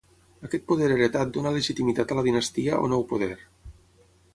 Aquest poder heretat dóna legitimitat a la dinastia o nou poder.